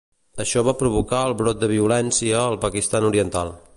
Això va provocar el brot de violència al Pakistan oriental.